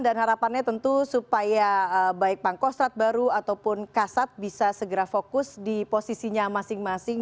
dan harapannya tentu supaya baik pangkostrat baru ataupun kasat bisa segera fokus di posisinya masing masing